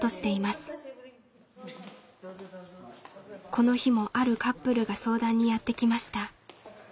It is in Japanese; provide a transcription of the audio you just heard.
この日もあるカップルが相談にやって来ました。